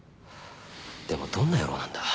でもどんな野郎なんだ？